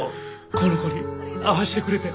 この子に会わしてくれて。